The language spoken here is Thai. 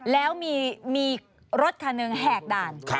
แล้วมีรถคันหนึ่งแหกด่าน